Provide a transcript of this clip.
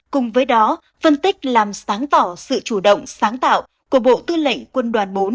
cùng với đó phân tích làm sáng tỏ sự chủ động sáng tạo của bộ tư lệnh quân đoàn bốn